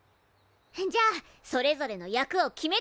じゃあそれぞれの役を決めて読むべし。